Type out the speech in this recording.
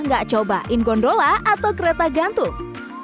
nggak cobain gondola atau kereta gantung